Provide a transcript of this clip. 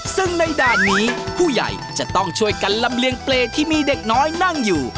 ซึ่งในด่านนี้ผู้ใหญ่จะต้องช่วยกันลำเลียงเปรย์ที่มีเด็กน้อยนั่งอยู่